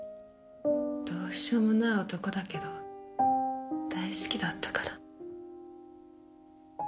どうしようもない男だけど大好きだったから。